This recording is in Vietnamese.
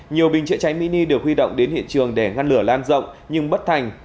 nhiều bình chữa cháy mini được huy động đến hiện trường để ngăn lửa lan rộng nhưng bất thành